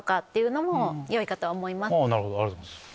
なるほどありがとうございます。